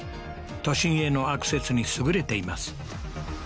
都心へのアクセスに優れています